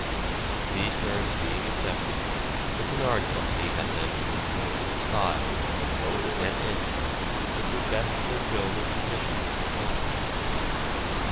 These terms being accepted the Cunard Company had then to determine the style both of boat and engines which would best fulfil the conditions of the contract.